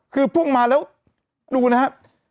คือฟุ่งมาแล้วดูนะฮะ